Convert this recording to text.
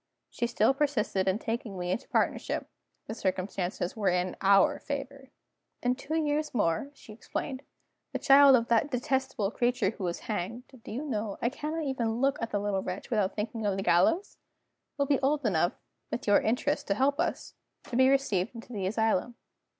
She still persisted in taking me into partnership the circumstances were in our favor. "In two years more," she explained, "the child of that detestable creature who was hanged do you know, I cannot even look at the little wretch without thinking of the gallows? will be old enough (with your interest to help us) to be received into the asylum.